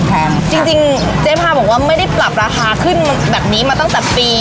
จริงจริงเจ๊พาบอกว่าไม่ได้ปรับราคาขึ้นแบบนี้มาตั้งแต่ปี